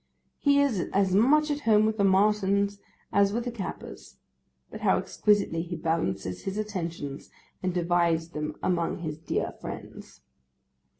He is as much at home with the Martins as with the Cappers; but how exquisitely he balances his attentions, and divides them among his dear friends!